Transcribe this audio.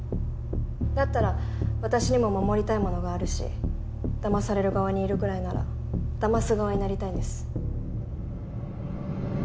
だったら私にも守りたいものがあるしだまされる側にいるくらいならだます側になりたいんです。